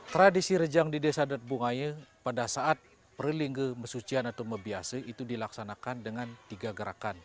tradisi rejang di desa dut bungaya pada saat perlingga mesucian atau mebiasa itu dilaksanakan dengan tiga gerakan